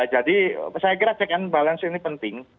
jadi saya kira check and balance ini penting